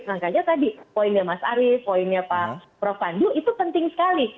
makanya tadi poinnya mas arief poinnya pak prof pandu itu penting sekali